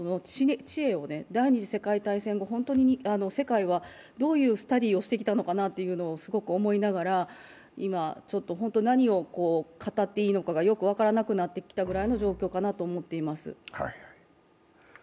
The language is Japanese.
知恵を、第２次世界大戦後、本当に世界はどういうスタディーをしてきたのかすごく思いながら、今本当に何を語っていいのかがよく分からなくなってきた状況です。